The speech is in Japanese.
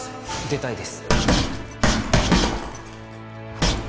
出たいです。